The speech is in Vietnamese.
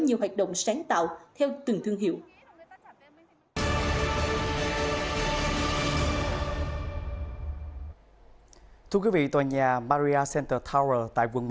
nhiều hoạt động sáng tạo theo từng thương hiệu tòa nhà maria center tower tại quận một